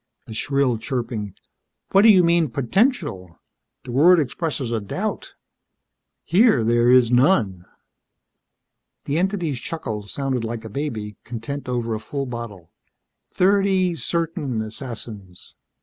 The shrill chirping: "What do you mean, potential? The word expresses a doubt. Here there is none." The entity's chuckle sounded like a baby, content over a full bottle. "Thirty certain assassins."